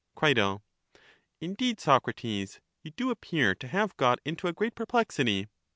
CrL Indeed, Socrates, you do appear to have got into a great perplexity.